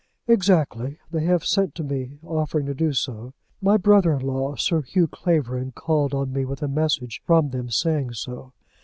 "Exactly. They have sent to me, offering to do so. My brother in law, Sir Hugh Clavering, called on me with a message from them saying so.